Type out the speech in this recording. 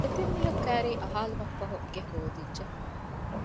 ދެތިން މީހަކު ކައިރީ އަހާލުމަށްފަހު ގެ ހޯދިއްޖެ